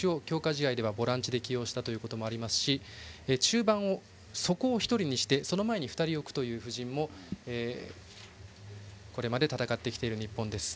試合ではボランチで起用したのもありますし中盤の底を１人にしてその前に２人置くという布陣でもこれまで戦ってきている日本です。